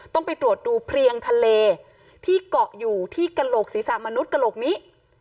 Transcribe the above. ต้องไปตรวจดูเพลียงทะเลที่เกาะอยู่ที่กระโหลกศีรษะมนุษย์กระโหลกนี้